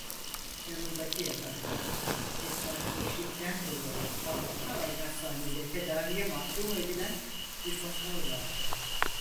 Yanımdaki yatakta, esrarkeşlikten dolayı altı ay hastanede tedaviye mahkum edilen bir bakkal vardı.